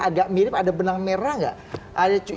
agak mirip ada benang merah nggak